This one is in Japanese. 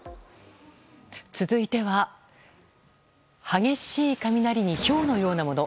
続いては、激しい雷にひょうのようなもの。